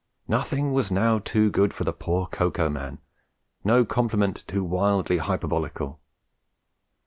Nothing was now too good for the poor Cocoa Man, no compliment too wildly hyperbolical.